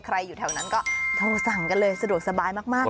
อยู่แถวนั้นก็โทรสั่งกันเลยสะดวกสบายมาก